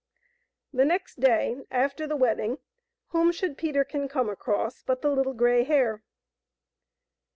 The next day after the wedding, whom should Peterkin come across but the Little Grey Hare.